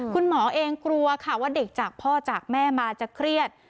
คุณหมอเองกลัวค่ะว่าเด็กจากพ่อจากแม่มาจะเครียด